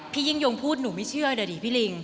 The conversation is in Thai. พี่ยิ่งยงพูดหนูไม่เชื่อเดี๋ยวดิพี่ลิง